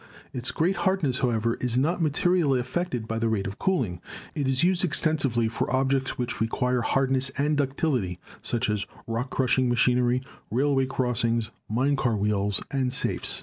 Its great hardness, however, is not materially affected by the rate of cooling. It is used ex tensively for objects which require both hardness and ductility, such as rock crushing machinery, railway cross ings, mine car wheels and safes.